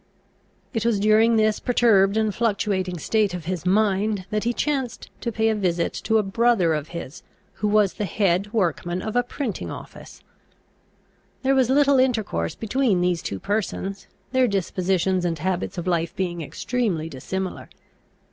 It was during this perturbed and fluctuating state of his mind, that he chanced to pay a visit to a brother of his, who was the head workman of a printing office. There was little intercourse between these two persons, their dispositions and habits of life being extremely dissimilar.